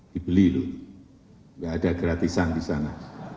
dibeli lho enggak ada gratisan di sana